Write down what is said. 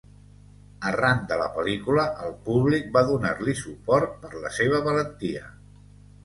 Arran de la pel·lícula, el públic va donar-li suport per la seva valentia.